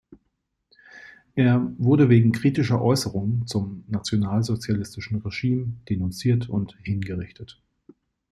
Er wurde wegen kritischer Äußerungen zum nationalsozialistischen Regime denunziert und hingerichtet.